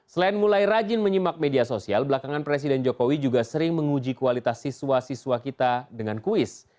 selain mulai rajin menyimak media sosial belakangan presiden jokowi juga sering menguji kualitas siswa siswa kita dengan kuis